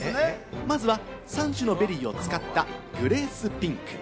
３種のベリーを使ったグレースピンク。